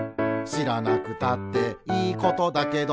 「しらなくたっていいことだけど」